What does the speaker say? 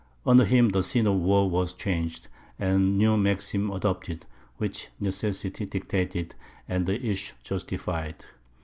Under him, the scene of war was changed, and new maxims adopted, which necessity dictated, and the issue justified.